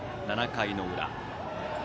７回の裏。